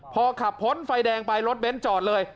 พอขับพ้นไฟแดงไปรถเบ้นจอดเลย